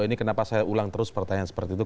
ini kenapa saya ulang terus pertanyaan seperti itu